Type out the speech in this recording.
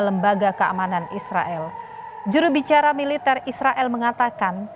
lembaga keamanan israel jurubicara militer israel mengatakan